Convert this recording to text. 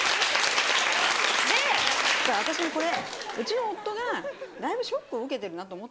私もこれうちの夫がだいぶショックを受けてるなと思ったんで。